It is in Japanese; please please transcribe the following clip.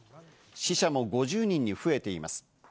死者も５０人に増えています。